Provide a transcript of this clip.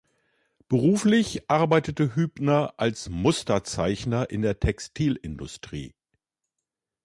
Beruflich arbeitete Hübner als Musterzeichner in der Textilindustrie.